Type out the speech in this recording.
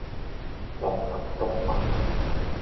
博洽多聞